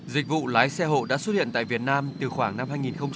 dịch vụ lái xe hộ đã xuất hiện tại việt nam từ khoảng năm hai nghìn một mươi